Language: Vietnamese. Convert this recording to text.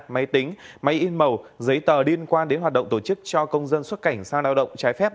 máy tính máy in màu giấy tờ liên quan đến hoạt động tổ chức cho công dân xuất cảnh sang lao động trái phép